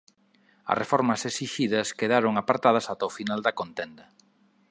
As reformas esixidas quedaron apartadas ata o final da contenda.